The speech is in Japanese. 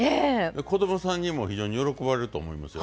子供さんにも非常に喜ばれると思いますよ。